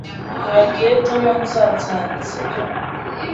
Wabwiye Tom aho uzansanga, sibyo?